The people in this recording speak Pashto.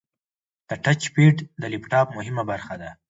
د ټچ پیډ د لپټاپ مهمه برخه ده.